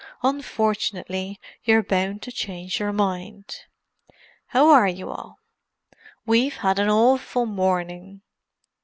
"Unfortunately, you're bound to change your mind. How are you all? We've had an awful morning!"